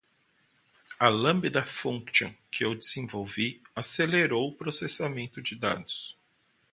A Lambda Function que desenvolvi acelerou o processamento de dados.